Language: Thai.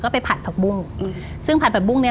ผัดผัดบุ้งซึ่งผัดผัดบุ้งเนี่ย